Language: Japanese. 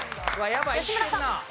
吉村さん。